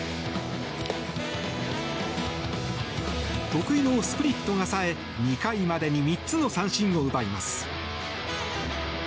得意のスプリットが冴え２回までに３つの三振を奪います。